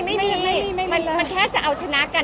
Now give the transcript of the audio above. มันแค่จะเอาชนะกัน